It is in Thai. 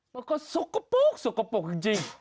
มันก็สกปรุ๊กจริง